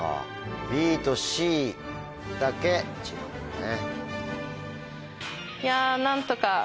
ＢとＣだけ違うんだね。